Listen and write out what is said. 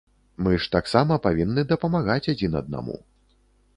Мы ж таксама павінны дапамагаць адзін аднаму.